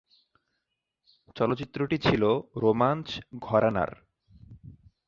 চলচ্চিত্রটি ছিলো রোমাঞ্চ ঘরানার।